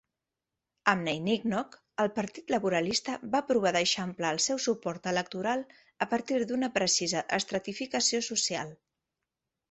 Amb Neil Kinnock, el partit laborista va provar d'eixamplar el seu suport electoral a partir d'una precisa estratificació social.